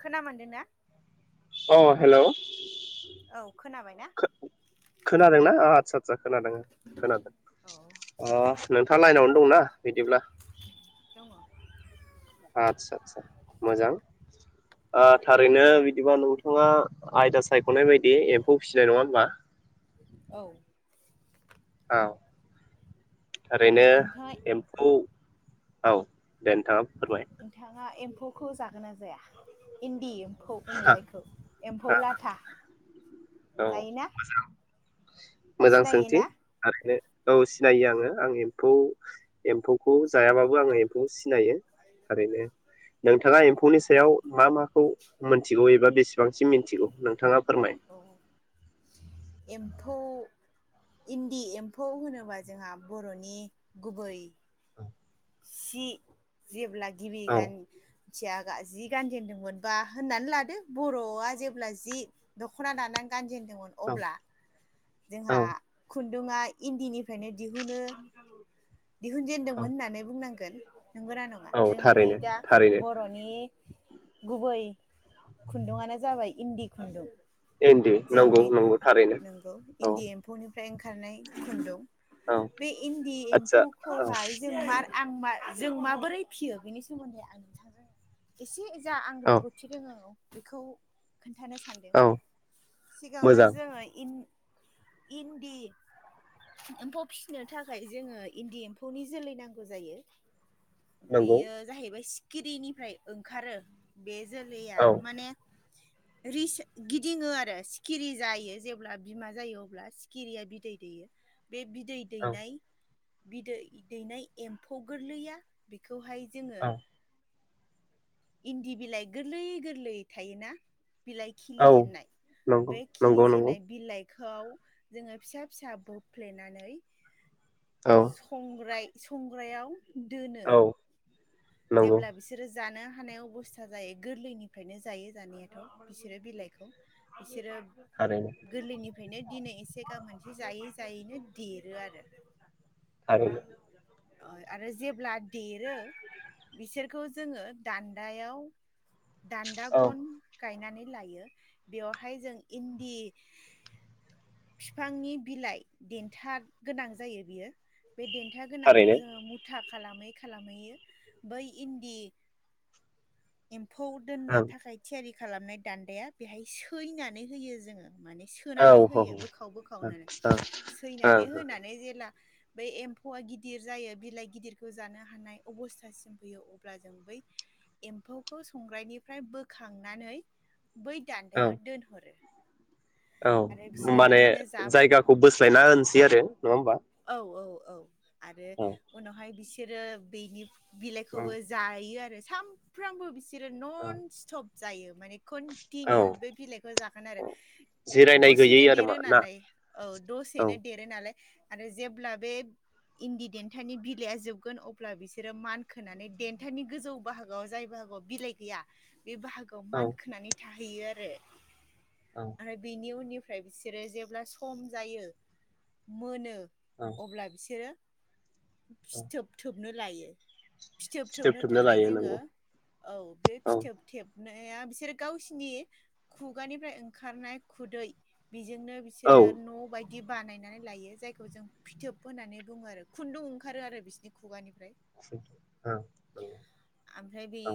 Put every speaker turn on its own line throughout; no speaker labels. खोना मोनदों ना [inaudible]
अ हेल'।
खोनाबायना
खोनादोंनाा आदसा आदसा खोनादों खोनादों
औ
अ नोंथाङा लाइनावनो दंनाा? बिदिब्ला-
दङ
आदसा आसा मोजां थारैनो बिदिबा नोंथाङा आयदा सायख'नाय बायदि एम्फौ फिसिनाय नङा होमबा?
औ
औ। ओरैनो
नोंथाङा
एम्फौ- औ। दे नोंथाङा फोरमाय।
एखौ जागोना जाया इन्दि- एम्फौ बुंखौ जायखौ एम्फौ लाथा
औ
जायोना
मोजां सोंथि
सिनायोना
थारैनो
[unintelligible]
औ सिनायो आङो आं एम्फौ एम्फौखौ जायाबाबो आङो एम्फौ सिनायो ओारैनो नोंथाङा एम्फौनि सायाव मा माखौ मिथिगौ एबा बेसेबांसिम मिथिगौ नोंथाङा फोरमाय
औ एम्फौ इन्दि एम्फौ होनोबा जोंहा बर'नि गुबै
औ
सि जेब्ला [unintelligible] गिबि
औ
गान [unintelligible] मिथिया जि गानजेनदोंमोन बा होननानै लादो बर'आ जेब्ला जि दख'ना दानानै गानजेनदों अब्ला
औ
जोंहा खुनदुं। रोङा इन्दिनिफ्रायनो दिहुनो।
औ
दिहुनजेनदोंमोन होननानै बुंनांगोन नंगोना नङा
औ
जोंहानि
थारैनो
दा
थारैनो
बर'नि गुबै खुन्दुआनो जाबाय इन्दि खुन्दुं।
इन्दि
जों
नंगौ
बे
नंगौ थारैनो
नंगौ
औ
इन्दि एम्फौनि [inaudible] फ्राय ओंखारनाय खनदं
औ
[unintelligible] बे इन्दि
आदसा औ
एम्फौखौहाय जों मा आं मा जों माबोरै फिसियो बेनि सोमोन्दै आं नोंथांजों एसे [inaudible] जा आं
औ
रोंगौथि रोङो। बेखौ। खोन्थानो सानदों।
औ
सिगाङावनो
मोजां
जोंङो इन्दि एम्फौ फिसिनो थाखाय जोंङो इन्दि एम्फौनि जोलै नांगौ जायो।
नंगौ
बेयो जाहैबाय खिरिनिफ्राय ओंखारो। बे जोलैया
औ
माने रि [unintelligible] गिदिङो आरो सिखिरि जायो जेब्ला बिमा जायो अब्ला सिखिरिया बिदै दैयो। बे बिदै
औ
दैनाय बिदै दैनाय एम्फौ गोरलैया बेखौ खौहाय जोङो
औ
इन्दि बिलाइ गोरलैय गोरलैय थायोना बिलाइ
औ
खिलिजेननाय
नंगौ
बे
नंगौ नंगौ
खिलिजेननाय बिलाइ खौ जोङो फिसा फिसा बोफ्लेनानै
औ
संग्राय संग्रायाव दोनो
औ नंगौ
जेब्ला बिसोरो जानो हानाय अबस्था जायो गोरलैनिफ्रायनो जायो जानायाथ' बिसोरो बिलाइखौ बिसोरो
थारैनो
गोरलैनिफ्रायनो दिनै एसे गाबोन एसे जायो। फिसायैनो देरो आरो
थारैनो
[unintelligible] आरो जेब्ला देरो बिसोरखौ जोङो दान्दायाव
औ
दान्दागन गायनानै लायो बेयावहाय जों इन्दि बिफांनि बिलाइ देन्था गोनां जायो बियो बे देन्था गोनांखौ
थारैनो
जोंङो मुथा खालामै खालामैयो बै इन्दि खौ दोननो
ओं
थाखाय थियारि खालामनाय दान्दाया बेहाय सैनानै होयो जोंङो माने
औ
सोनानै होयो बोखाव बोखावनो सैनानै
ओं
होनानै जेब्ला बै एम्फौआ गिदिर जायो बिलाइ गिदिरखौ जानो हानाय अबस्था सिम फैयो अब्ला जों बै एम्फौखौ संग्रानिफ्राय बोखांनानै बै
ओं
दान्दायाव दोनहरो
औ
आरो बिसोरो
माने
बिदिनो जाब
जायगाखौ बोस्लायना होनोसै आरो। होमबा
औ औ। औ। आरो
औ
उनावहाय बिसि बिसोरो बेनि बिलाइखौबो
औ
जायो आरो। सामफ्रामबो बिसि न'न सट'प जायो। माने
औ
कन्टिनिउ बे बिलाइखौ जागोन आरो
जिरायनाय गैयै
दसेनो
आरो मा
देरो
ना
नालाय औ
औ
दसेनो देरो नालाय। आरो जेब्ला बे इन्दि देन्थानि बिलाइआ जोबगोन अब्ला बिसोरो मानखोनानै देन्थानि गोजौ बाहागोआव जाय बाहागोआव बिलाइ गैया बे बाहागोआव
औ
मान खोनानै थायो। बियो आरो।
औ
आरो बेनि उननि ओमफ्राय बिसोरो जेब्ला सम जायो मोनो।
औ
अब्ला बिसोरो
औ
फथोब थोबनो लायो। फिथोब थोबनो
थोबना
थाखाय
लायो
जोङो
नंगौ
औ बे
औ
फिथोबथेब नाया बिसोर गावसिनि खुगानिफ्राय ओंखारनाय खुदै बेजोंनो
औ
बिसोरो न' बायदि बि बानायनानै लायो जायखौ खौ जों फिथोब होननानै बुङो आरो खुन्दुं ओंखारो आरो बिसिनि खुगानि
औ
ओमफ्राय बे
औ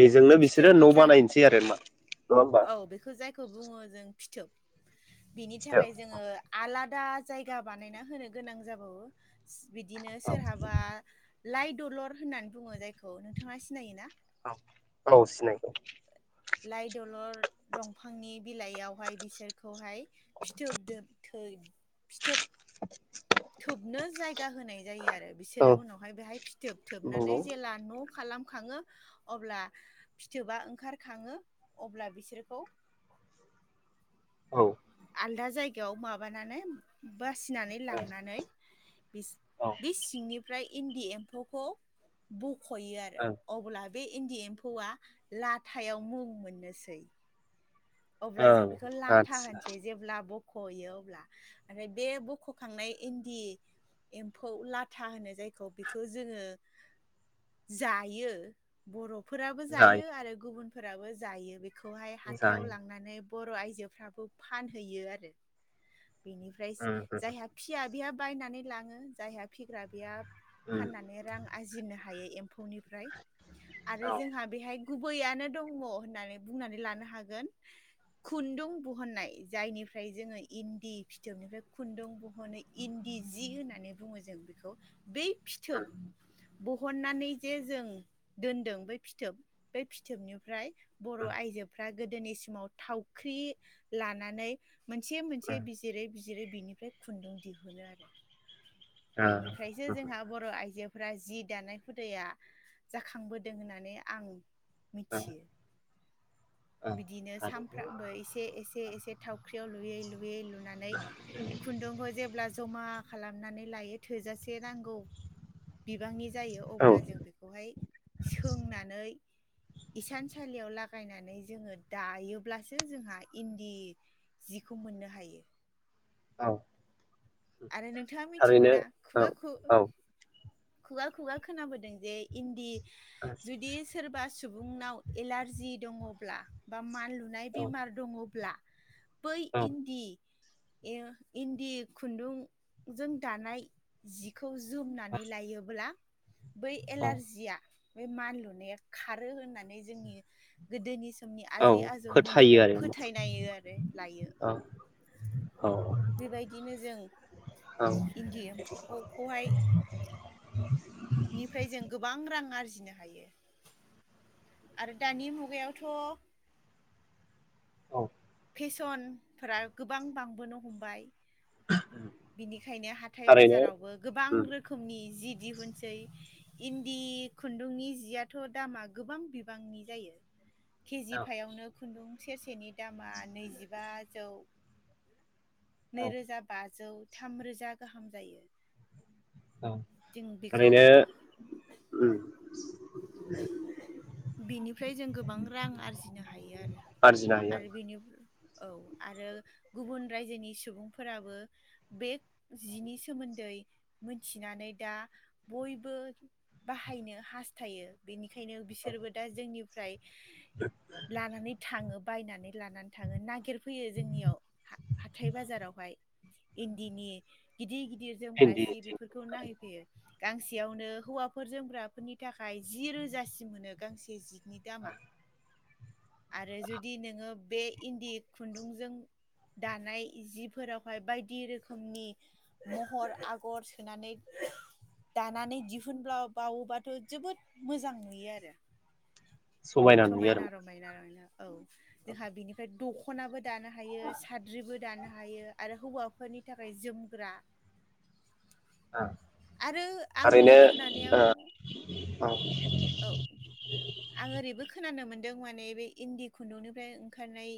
बेजोंनो बिसोरो
फिथोब
न'
जा
बानायनोसै आरो मा। होमबा
औ बेखौ जाय खौ बुङो जों फिथोब। बिनि
फिथोब
थाखाय जोङो आलाद दा जायगा बानायना होनो गोनां जाबावो बिदिनो
औ
सोरहाबा लाइ दलर होननानै बुङो जायखौ नोंथाङा सिनायोना?
औ औ सिनायो।
लाइ दलर दंफांनि बिलाइयावहाय बिसोरखौहाय फिथोब थै फिथोब थुबनो जायग बिगाह होनाय जायो आरो। रो
औ
बिसोरो उनावहाय बेहाय फिथोब थोबनानै
नंगौ
जेला न' खालाम खाङो अब्ला फिथोबा ओंखार खाङो अब्ला बिसोरखौ
औ।
आलदा जायगायाव माबानानै बासिनानै लांनानै
औ
बे सिंनि ओमफ्राय इन्दि एम्फौखौ ब खयो आरो
ओं
अब्ला बे इन्दि एम्फौआ लाथायाव मुं मोननोसै। अब्ला जों
ओं
बेखौ लाथा
आदसा
होनसै जेब्ला ब ख'यो अब्ला ओमफ्राय बे बख'खांनाय इन्दि एम्फौ लाथा होनो जायखौ बेखौ जोङो जायो बर' फोराबो जायो आरो गुबुन फोराबो जायो बे खौहाय हाथ थायाव
जायो
लांनानै बर' आइजोफ्राबो फानहैयो आरो। बेनिफ्राय
उम
जायहा फिया बेहा बायनानै लाङो जायहा फिग्रा बेया
उम
फाननानै रां आरजिनो हा हायो एम फौनिफ्राय आरो
औ
जोंहा बेहाय गुबैयानो दङ होननानै बुंनानै लानो हाग गोन खुन्दुं बुहननाय जायनिफ्राय जोङो इन्दि फिथोबनिफ्राय खुन्दुं बुहनो इन्दि जि होननानै बुङो जों बेखौ। बे फिथोब
उम
ब हननानै जे जों दोनदों बै फिथोब बै फिथोबनिफ्राय बर'
उम
आयजोफ्रा गोदोनि समाव थावख्रि लानानै मोनसे मोनसे बिजिरै बिजिरो बिनिफ्राय खुन्दुं दिहुनो आरो।
उम
बेनिफ्रायसो
ओ
जोंहा बर' आइजो फोरा जि दानाय हुदाया जाखांबोदों होननानै आं मिथियो। बिदिनो सामफ्रामबो एसे एसे एसे थावख्रियाव लुयै लुयै लुनानै खुन्दुंखौ जेब्ला जमा खालामनानै लायो थोजासे नांगौ बिबांनि जायो
ओ
अब्ला
औ
जों बेखौहाय सोंनानै इसानसालियाव लागायनानै जोङो दायोब्लासो जोंहा इन्दि जिखौ मोननो हायो।
औ
आरो नोंथाङा मिथिगौ
थारैनो
ना खुगा
औ
खु
औ
खुगा खुगा खोनाबोदों जे इन्दि जुदि सोरबा सुबुंनाव एलारजि दङब्ला एबा मानलु नुनाय बेमार दङब्ला बै
औ
इन्दि ए इन्दि खु खुन्दुंजों दानाय जिखौ खौ जोमनानै लायोब्ला बै
औ
एलार्जिया बे मानलुनाया खारो होननानै जोंनि गोदोनि नि
औ
आजै
फोथायो
आजौमोननिफ्राय
आरो
फोथायनायो आरो लायो औ।
औ
बे बायदिनो जों
औ
इन्दि एम्फौखौहाय निफ्राय जों गोबां रां आरजि नो हायो आरो दानि मुगायावथ'
औ
फेसनफोरा गोबां बांबोनो हमबाय बिनिखायनो हाथाय
थारैनो
बाजारावबो गोबां
उम
रोखोमनि जि दिहुनसै इन्दि खुन्दुंनि जियाथ' दामा गोबां बिबांनि जायो। केजि
औ
फायावनो खुन्दुं सेरसेनि दा मा नैजिबाजौ
औ
नैरोजा बा जौ थामरोजा गाहाम जायो। जों बेखौ
ओरैनो उम
बेनिफ्राय जों गोबां रां आरजिनो हायो आरो
आरजिनो हायो
आरो बेनि औ आरो गुबुन रायजोनि सुबुंफोराबो बे जिनि सोमोन्दै मिथिनानै दा बयबो बाहायनो हास्थायो बेनि बेखायनो बिसोरबो दा जोंनि फ्राय लानानै थाङो। बायनानै लानानै थाङो नागिर फैयो जोंनियाव हाथाय बाजारावहाय। इन्दिनि गिदि गि गिर
आरो
जोमग्रा
इन्दि
जि बेफोरखौ नाहै गांसेयावनो हौवाफोर जोमग्राफोरनि थाखाय जि रोजासिम मोनो गांसे जि नि दामआ आरो जुदि नोङो बे इन्दि खुन्दुंजों दानाय जिफोरावहाय बायदि रोखोमनि महर आगर सोनानै दानानै दिहुनब्ला बावोबाथ' जोबोद मोजां नुयो आरो।
नुयो आरो
समायना रमायना नुयो औ जोंहा बिनिफ्राय दखनाबो दानो हायो साद्रिबो दानो हायो आरो हौवाफोरनि थाखाय जोमग्रा आरो आंनि
थारैनो
खोनानायाव
औ
औ आं ओरैबो खोनानो मोन दों माने बे इन्दि खुन्दुंनिफ्राय ओंखारनाय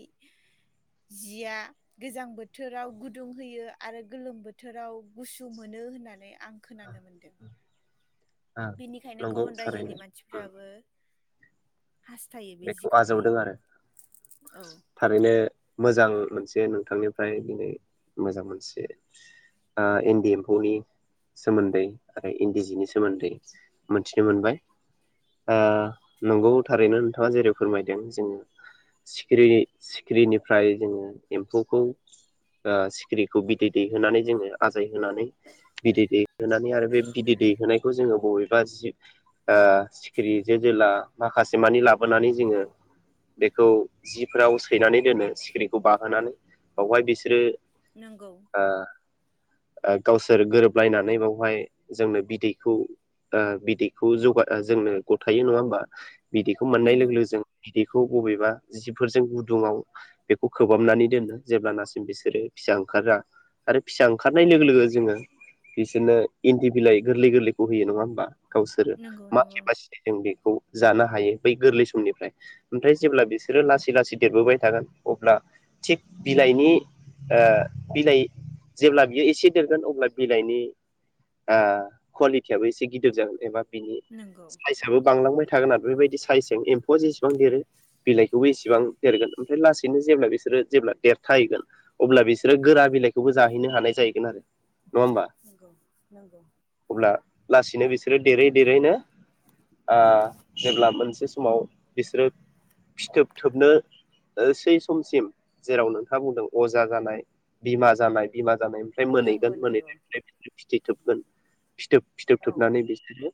जिया गोजां बोथोराव गुदुं होयो आरो गोलोम बोथोराव गुसु मोनो होनना आं खोनानो मोन्दों।
औ
बिनिखायनो
नंगौ
गुबुन
थारैनो
रायजोनि
उम
मानसिफ्राबो हास्थायो बे
बेखौ
जिखौहाय
आजावदों आरो
औ
थारैनो मोजां मोनसे नोंथांनिफ्राय दिनै मोजां मोनसे ओ इन्दि एम्फौनि सोमोन्दै आ [unintelligible] इन्दि जिनि सोमोन्दै मोनथिनो मोनबाय नंगौ थारैनो नोंथाङा जेरै फोरमायदों जों सिखिरि सिखिरिनिफ्राय जोङो एम्फौखौ ओ सिखिरिखौ बिदै दैहोनानै जोङो आ [unintelligible] होनानै बिदै दैहोनानै आरो बे बिदै दैहोनायखौ जोङो बबे बा जि ओ सिखिरि जो जोला माखासे मानि लाब बोनानै जोङो बेखौ जिफोराव सैनानै दोनो सिखिरिखौ बाहोनानै बावहाय बिसोरो
नोंगौ
ओ ओ गावसोर गोरोबलायनानै बावहाय जोंनो बिदैखौ ओ बिदैखौ जौगा जोंनो गथायो नङा होमबा बिदै खौ मोननाय
नंगौ
लोगो लोगो जों बिदै बखौ बबेबा जिफोरजों गुदुङाव बेखौ खोबहाबनानै दोनो जेब्लानासिम बिसोरो फिसा ओंखारा आरो फिसा ओंखारनाय लोगो लोगो जोङो बिसोरनो इन्दि बिलाइ गोरलै गोरलैखौ होयो नङा होमबा। गावसोरो
नंगौ
मा
नंगौ
केपासितिजों बेखौ जानो हायो बै गोरलै समनिफ्राय ओमफ्राय जेब्ला बिसोरो लासै लासै देरबोबाय थागोन अब्ला थिग बिलाइनि ओ बिलाइ जेब्ला बियो एसे देरगोन अब्ला बिलाइनि ओ कुवालिटियाबो एसे गिदिर जागोन एबा बिनि
नंगौ
साइसआबो बांलांबाय थागोन आरो बेबायदि साइसेजों एम्फौआ जेसेबां देरो बिलाइखौबो एसेबां देरगोन ओमफ्राय लासैनो जेब्ला बिसोरो जेब्ला देरथायाहैगोन अब्ला बिसोरो गोरा बिलाइखौबो जाहैनो हानाय जाहैगोन आरो नङा होमबा
नोंगौ नोंगौ
अब्ला लासैनो बिसोरो देरै देरैनो ओ जेब्ला मोनस बे समाव बिसोरो फिथोब थोबनो सै समसिम जेराव नोंथाङा बुंदों अजा जानाय बिमा जानाय बिमा जानायनिफ्राय मोनहैगोन मोनहैनायनिफ्राय बिदि फिथि थोबगोन फिथोब फिथोब थोबनानै बिसोरो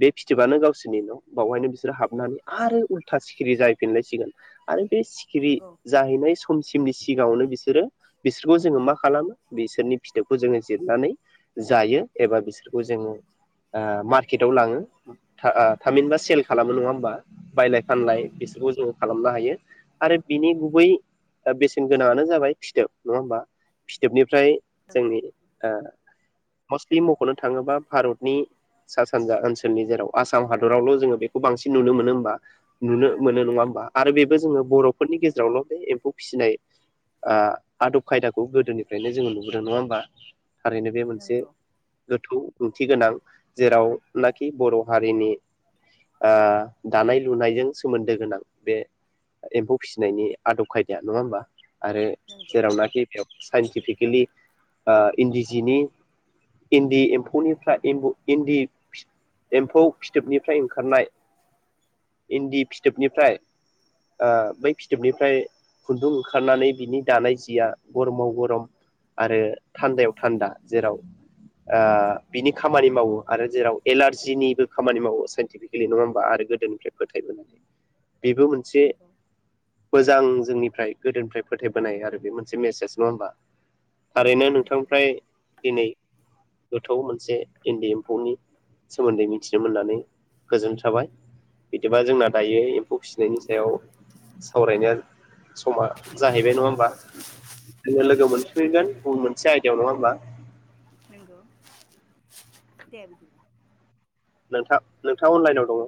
बे फिथोबानो गावसोरनि न' बावहायनो बिसोरो हाब- हाबनानै आरो उल्था सिखिरि जायफिनलायसिगोन- आरो बे सिखिरि जाहैनाय समसिमनि सिगाङावनो बिसोरो बिसोरखौ जोङो मा खालामो बिसोरनि- फिथोबखौ जोङो जिरनानै जायो एबा बिसोरखौ जोङो- मार्केटआव लाङो- ओ थामिनबा सेल खालामो नङा- ा बायलाय
नंगौ
फानलाय
नंगौ
बिसोरखौ जों- खालामनो हायो आरो बिनि गुबै बेसेन गोनाङानो जाबाय फिथोब नङा होमबा? फिथोबनिफ्राय- फओमफ्राय
नंगौ
जोंनि ओ - मस्टलि मख'नो थाङोबा भारतनि सा सानजा ओनसोलनि जेराव आसाम हादरावल' जोङो बेखौ बांसिन - नुनो मोनो होमबा- नुनो
नंगौ
मोनो
नंगौ
नङा होमबा आरो बेबो जोङो- बर'फोरनि गेजेरावल' बे एम्फौ फिसिनाय ओआ आदब खायदाखौ गोदोनिफ्रायनो जोङो नुबोदों नङा होमबा? थारैनो बे
नंगौ
मोनसे गोथौ- ओंथि गोनां जेरावनाखि बर' हारिनि- ओ-दानाय -लुनायजों सोमोन्दो गोनां बे एम्फौ फिसिनायनि आदब खायदाया नङा होमबा? आरो
नंगौ
जेरावनाखि बे - साइन्टिफिकेलि ओ इन्दि जिनि इन्दि एम्फौनिफ्राय इमबु इन्दि एम्फौ फिथोबनिफ्राय ओंखारनाय- इन्दि फिथोबनिफ्राय बै फिथोबनिफ्राय खुन्दुं ओंखारनानै बिनि दानाय जिया गरमाव गरम आरो थान्दायाव थान्दा जेराव बिनि खामानि मावो आरो जेराव एलारजिनिबो खामानि मावो साइन्टिफिक- गेले नङा होमा आरो- फोथाय बोनाय जायो बेबो मोनसे मोजां - जोंनिफ्राय गोदोनिफ्राय फोथायबोनाय आरो बे मोनसे मेसेज नङा होमबा? थारैनो नोंथांनिफ्राय दिनै गोथौ मोनसे इन्दि एम्फौनि- सोमोन्दै मिथिनो मोननानै- गोजोनथाबाय। बिदिबा जोंना
नंगौ
दायो एम्फौ फिसिनायनि सायाव- सावरायनाया- समा जाहैबाय नङा होमबा जोङो लोगो मोनफिफैगोन गुबुन मोनसे आय- व नङा होमबा?
नंगौ दे बिदिब्ला-
नोंथां नोंथाङा अनलाइनाव दङ?